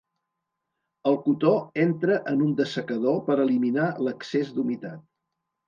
El cotó entra en un dessecador per eliminar l'excés d'humitat.